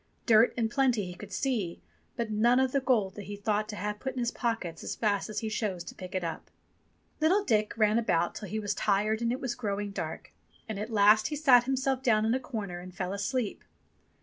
Dirt in plenty he could see, but none of the gold that he thought to have put in his pockets as fast as he chose to pick it up. Little Dick ran about till he was tired and it was growing dark. And at last he sat himself down in a corner and fell asleep.